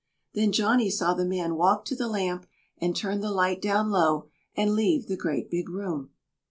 Then Johnny saw the man walk to the lamp and turn the light down low, and leave the great big room.